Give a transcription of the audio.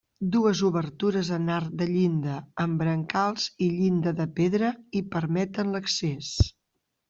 Dues obertures en arc de llinda, amb brancals i llinda de pedra hi permeten l'accés.